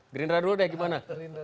gerindra dulu deh gimana